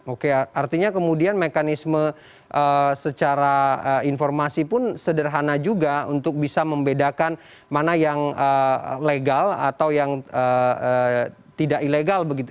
oke artinya kemudian mekanisme secara informasi pun sederhana juga untuk bisa membedakan mana yang legal atau yang tidak ilegal begitu